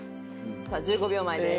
さあ１５秒前です。